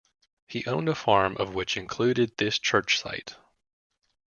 He owned a farm of which included this church site.